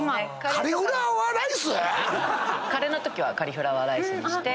カリフラワーライス⁉カレーのときはカリフラワーライスにして。